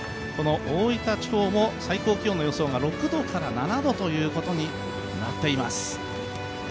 この大分地方も最高気温の予想が６度から７度ということになっています。